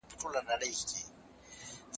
ښوونکي مخکې اصلاحات عملي کړي وو.